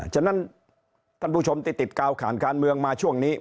ฉะนั้นท่านผู้ชมติดกล่าวขาวขาวขาวเมืองมาช่วงนี้